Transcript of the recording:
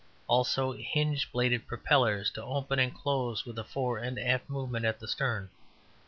Also hinge bladed propellers, to open and close with a fore and aft movement at the stern.